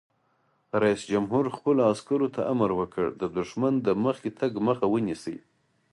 رئیس جمهور خپلو عسکرو ته امر وکړ؛ د دښمن د مخکې تګ مخه ونیسئ!